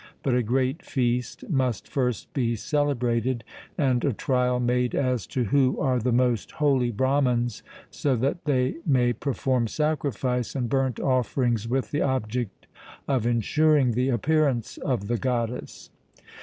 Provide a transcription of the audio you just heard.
But a great feast must first be celebrated, and a trial made as to who LIFE OF GURU GOBIND SINGH 61 are the most holy Brahmans, so that they may perform sacrifice and burnt offerings with the object of ensuring the appearance of the goddess.'